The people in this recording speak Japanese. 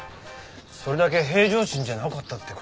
それだけ平常心じゃなかったって事でしょう？